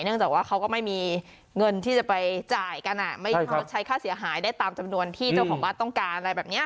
จากว่าเขาก็ไม่มีเงินที่จะไปจ่ายกันไม่ชดใช้ค่าเสียหายได้ตามจำนวนที่เจ้าของบ้านต้องการอะไรแบบนี้